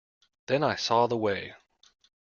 Then I saw the way.